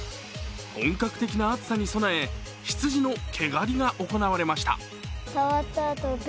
本格的な暑さに備えひつじの毛刈りが行われました。